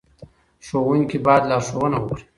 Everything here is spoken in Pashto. ښوونکي باید لارښوونه وکړي.